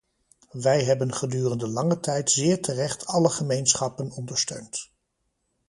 Wij hebben gedurende lange tijd zeer terecht alle gemeenschappen ondersteund.